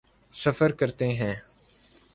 سفر کرتے ہیں۔